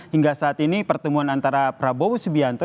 hingga saat ini pertemuan antara prabowo subianto